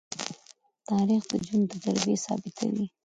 تاریخ د ژوند تجربې ثبتوي.